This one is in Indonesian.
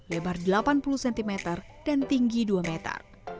lebar delapan puluh cm dan tinggi dua meter